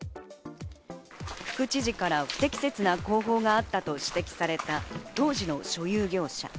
副知事から不適切な工法があったと指摘された当時の所有業者。